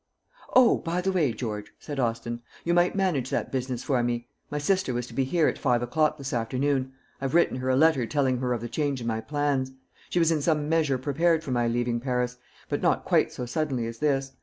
"O, by the way, George," said Austin, "you might manage that business for me. My sister was to be here at five o'clock this afternoon. I've written her a letter telling her of the change in my plans. She was in some measure prepared for my leaving Paris; but not quite so suddenly as this.